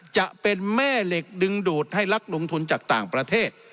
จะเป็นแม่เหล็กดึงดูดให้นักลงทุนจากต่างประเทศ